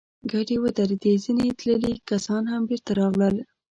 کډې ودرېدې، ځينې تللي کسان هم بېرته راغلل.